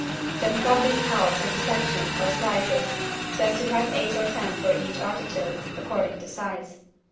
Then cut these halves into section or slices so as to have eight or ten for each artichoke, according to size.